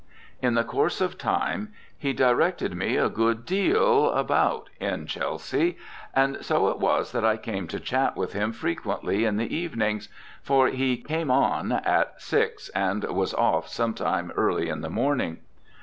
In the course of time he directed me a good deal about in Chelsea, and so it was that I came to chat with him frequently in the evenings, for he "came on" at six and was "off" some time early in the morning.